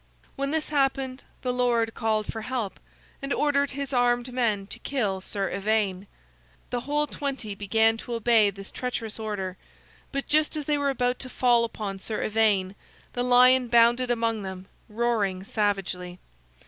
When this happened, the lord called for help, and ordered his armed men to kill Sir Ivaine. The whole twenty began to obey this treacherous order, but just as they were about to fall upon Sir Ivaine, the lion bounded among them, roaring savagely.